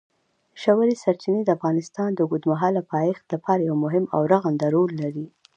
ژورې سرچینې د افغانستان د اوږدمهاله پایښت لپاره یو مهم او رغنده رول لري.